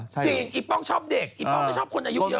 จริงอีป้องชอบเด็กอีป้องไม่ชอบคนอายุเยอะ